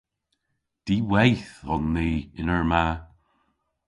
Diweyth on ni yn eur ma.